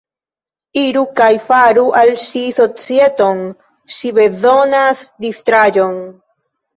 Iru kaj faru al ŝi societon; ŝi bezonas distraĵon.